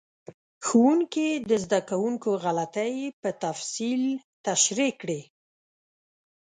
ښوونکي د زده کوونکو غلطۍ په تفصیل تشریح کړې.